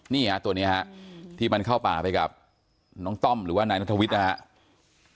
นี่ฮะตัวนี้ฮะที่มันเข้าป่าไปกับน้องต้อมหรือว่านายนัทวิทย์นะครับ